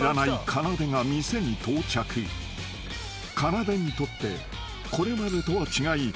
［かなでにとってこれまでとは違い］